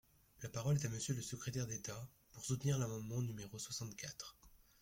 La parole est à Monsieur le secrétaire d’État, pour soutenir l’amendement numéro soixante-quatre.